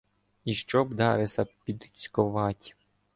І щоб Дареса підцьковать.